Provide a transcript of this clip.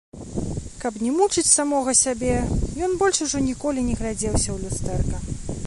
Каб не мучыць самога сябе, ён больш ужо ніколі не глядзеўся ў люстэрка.